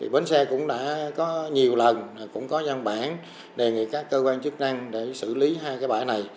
bến xe cũng đã có nhiều lần cũng có giang bản đề nghị các cơ quan chức năng để xử lý hai cái bãi này